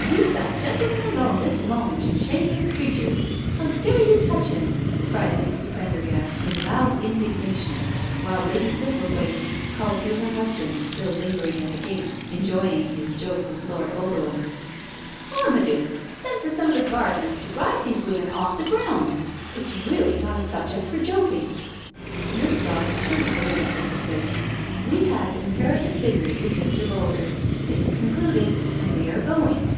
•.."" Leave that gentleman alone this moment, you shameless creatures. How dare you touch him?" cried Mrs. Prendergast in loud indignation, while Lady Thistlethwaite called to her husband still lingering at the gate enjoying his joke with Lord Ogleham: " Marmaduke, send for some of the gardeners to drive these women off the grounds. It's really not a subject for joking.'* Nurse Dodds turned tt> Lady Thistlethwaite. " We had imperative business with Mr. Boulder. It is concluded, and we are going.'